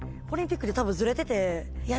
オリンピックで多分ズレてて。